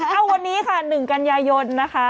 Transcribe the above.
เอาวันนี้ค่ะ๑กันยายนนะคะ